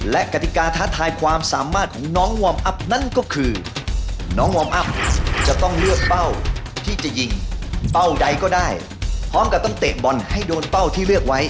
และกติกาท้าทายความสามารถของน้องวอร์มอัพนั้นก็คือ